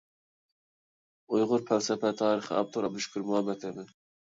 «ئۇيغۇر پەلسەپە تارىخى»، ئاپتورى: ئابدۇشۈكۈر مۇھەممەتئىمىن.